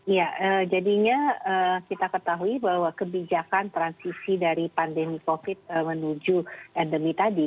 ya jadinya kita ketahui bahwa kebijakan transisi dari pandemi covid menuju endemi tadi